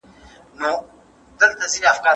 که وخت وي، ډوډۍ پخوم.